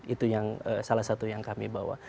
itu yang salah satu yang kami bawa